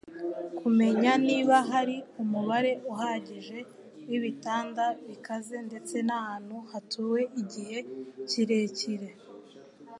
kumenya niba hari umubare uhagije w'ibitanda bikaze ndetse n'ahantu hatuwe igihe kirekire